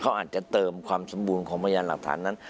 เขาอาจจะเติมความสมบูรณ์ของพยานหลักฐานนั้น